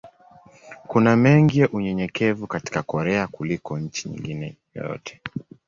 Kuna mengi ya unyenyekevu katika Korea kuliko nchi nyingine yoyote.